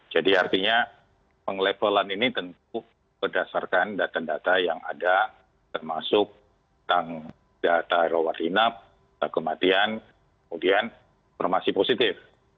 jadi artinya penglevelan ini tentu berdasarkan data data yang ada termasuk tentang data rawat inap kematian kemudian konfirmasi positif